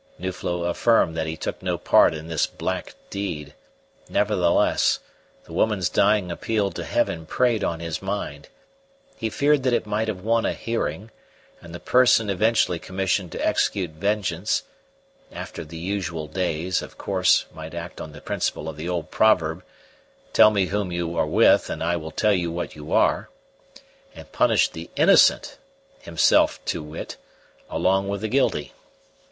Nuflo affirmed that he took no part in this black deed; nevertheless, the woman's dying appeal to Heaven preyed on his mind; he feared that it might have won a hearing, and the "person" eventually commissioned to execute vengeance after the usual days, of course might act on the principle of the old proverb: Tell me whom you are with, and I will tell you what you are and punish the innocent (himself to wit) along with the guilty.